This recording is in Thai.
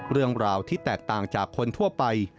เรื่องราวที่แตกต่างจากคนทั่วไป